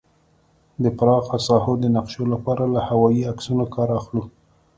د پراخه ساحو د نقشو لپاره له هوايي عکسونو کار اخلو